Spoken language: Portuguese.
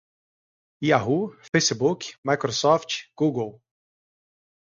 yahoo, facebook, microsoft, google